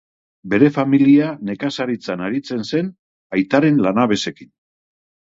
Bere familia nekazaritzan aritzen zen, aitaren lanabesekin.